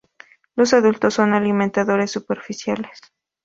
Los adultos son alimentadores superficiales.